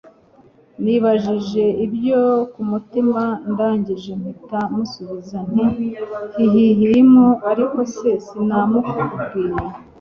nibajije ibyo kumutima ndangije mpita musubiza nti hhhm! ariko se sinamukubwiye